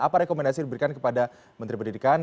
apa rekomendasi yang diberikan kepada menteri pendidikan